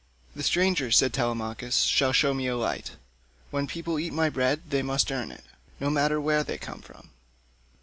"The stranger," said Telemachus, "shall show me a light; when people eat my bread they must earn it, no matter where they come from."